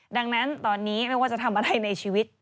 ดังนั้นตอนนี้ไม่ว่าจะทำอะไรในชีวิต